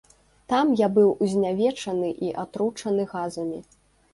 Там я быў знявечаны і атручаны газамі.